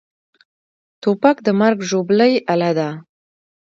توپک د مرګ ژوبلې اله ده.